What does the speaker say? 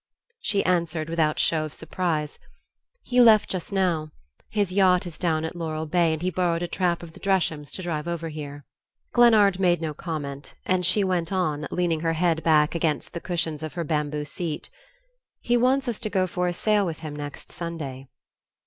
She answered without show of surprise. "He left just now. His yacht is down at Laurel Bay and he borrowed a trap of the Dreshams to drive over here." Glennard made no comment, and she went on, leaning her head back against the cushions of her bamboo seat, "He wants us to go for a sail with him next Sunday."